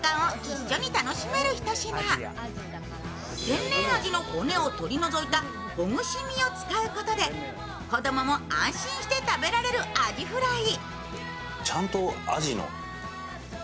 天然あじの骨を取り除いたほぐし身を使うことで子供も安心して食べられるあじフライ。